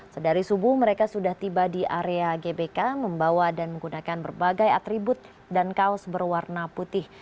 sedari subuh mereka sudah tiba di area gbk membawa dan menggunakan berbagai atribut dan kaos berwarna putih